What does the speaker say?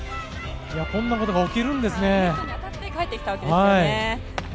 こんなことが起きるんですね。